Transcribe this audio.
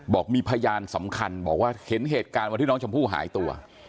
บอกมีพยานสำคัญบอกว่าเห็นเหตุการณ์วันที่น้องชมพู่หายตัว